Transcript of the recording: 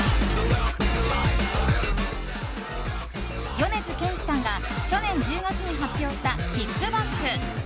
米津玄師さんが去年１０月に発表した「ＫＩＣＫＢＡＣＫ」。